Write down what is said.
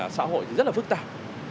xã hội rất là phức tạp